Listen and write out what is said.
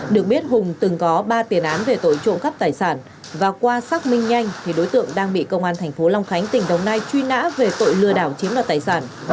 được biết hùng từng có ba tiền án về tội trộm cắp tài sản và qua xác minh nhanh thì đối tượng đang bị công an thành phố long khánh tỉnh đồng nai truy nã về tội lừa đảo chiếm đoạt tài sản